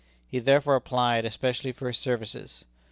He therefore applied especially for his services.